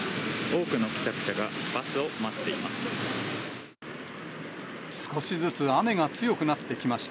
多くの帰宅者がバスを待っています。